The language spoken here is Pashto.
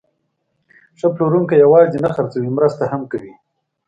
ښه پلورونکی یوازې نه خرڅوي، مرسته هم کوي.